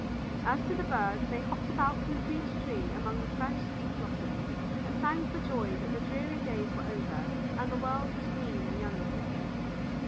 As to the birds, they hopped about from tree to tree among the fresh, sweet blossoms, and sang for joy that the dreary days were over and the world was green and young again.